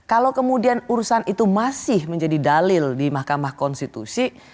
kalau kemudian urusan itu masih menjadi dalil di mahkamah konstitusi